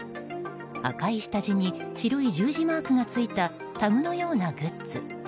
赤い下地に白い十字マークがついたタグのようなグッズ。